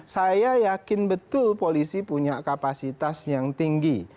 saya yakin betul polisi punya kapasitas yang tinggi